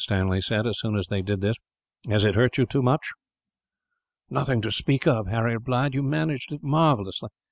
Stanley said, as soon as they did this. "Has it hurt you much?" "Nothing to speak of," Harry replied. "You managed it marvellously.